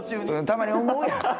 たまに思うやん。